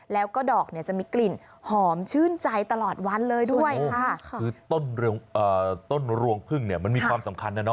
แล้วก็ดอกจะมีกลิ่นหอมชื่นใจตลอดวันเลยด้วยค่ะ